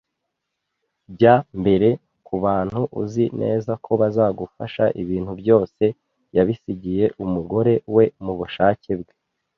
Jya mbere kubantu uzi neza ko bazagufasha Ibintu byose yabisigiye umugore we mubushake bwe